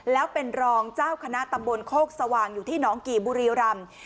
แล้วเป็นรองเจ้าคณะตำบลโคกสว่างอยู่ที่น้องกี่บุรีรำ